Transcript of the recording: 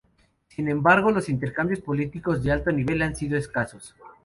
Sin embargo, los intercambios políticos de alto nivel han sido escasos.